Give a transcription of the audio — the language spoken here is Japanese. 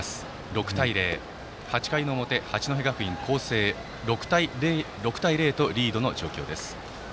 ６対０、８回の表八戸学院光星６対０とリードの状況です。